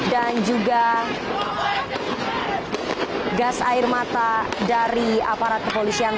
dan juga gas air mata dari aparat kepolisian